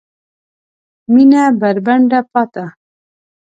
مېنه بربنډه پاته